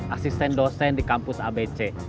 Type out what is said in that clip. asisten dosen di kampus abc